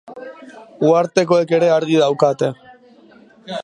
Uhartekoek ere argi daukate.